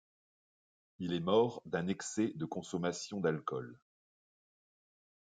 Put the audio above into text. Il est mort d'un excès de consommation d'alcool.